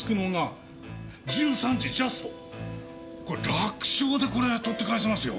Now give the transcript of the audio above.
楽勝でこれは取って返せますよ。